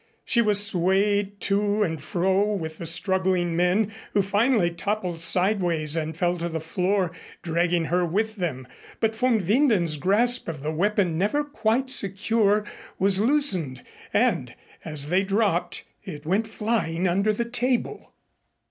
She was swayed to and fro with the struggling men, who finally toppled sideways and fell to the floor, dragging her with them, but von Winden's grasp of the weapon, never quite secure, was loosened and, as they dropped, it went flying under the table.